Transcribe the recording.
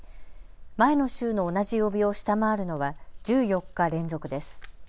前の週の同じ曜日を下回るのは１４日連続です。